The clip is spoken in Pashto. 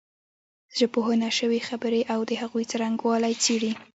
ژبپوهنه شوې خبرې او د هغوی څرنګوالی څېړي